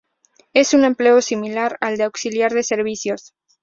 Es un empleo similar al de auxiliar de servicios.